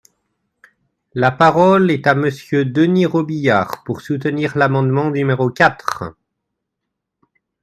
La parole est à Monsieur Denys Robiliard, pour soutenir l’amendement numéro quatre.